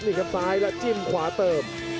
นี่ครับซ้ายและจิ้มขวาเติม